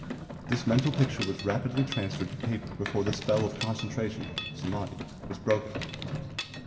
This mental picture was rapidly transferred to paper before the spell of concentration (samādhi) was broken.